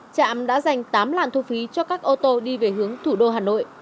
trạm đã dành tám làn thu phí cho các ô tô đi về hướng thủ đô hà nội